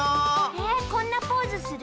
えっこんなポーズする？